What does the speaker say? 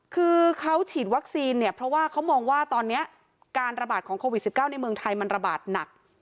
คือเขาฉีดวัคซีนเนี่ยเพราะว่าเขามองว่าตอนนี้การระบาดของโควิด๑๙ในเมืองไทยมันระบาดหนัก